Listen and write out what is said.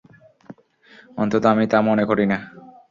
অন্তত আমি তা মনে করি না।